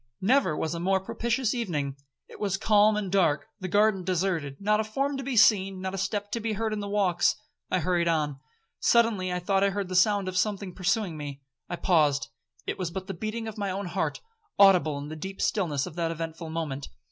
Never was a more propitious evening. It was calm and dark—the garden deserted, not a form to be seen, not a step to be heard in the walks.—I hurried on. Suddenly I thought I heard the sound of something pursuing me. I paused,—it was but the beating of my own heart, audible in the deep stillness of that eventful moment.